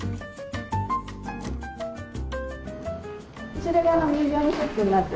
こちら側がミュージアムショップになっておりまして。